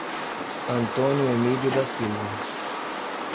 Antônio Emidio da Silva